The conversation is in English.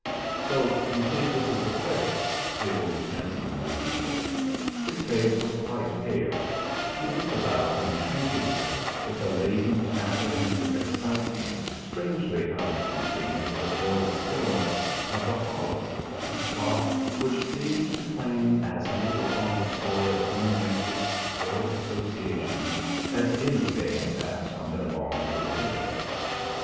"So you think this is the place?" the old gentleman repeated. His face was quite pale; he looked about him shrinkingly, with a latent, apprehensive excitement strangely out of keeping with the void stillness of the hollow, a spot which seemed to claim as little on the score of human interest or association as any they had passed on their long road hither.